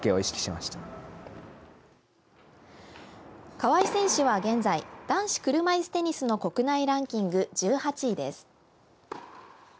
川合選手は現在、男子車いすテニスの国内ランキング１８位です。